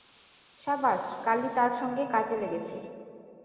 সাবাস! কালী তার সঙ্গে কাজে লেগেছে।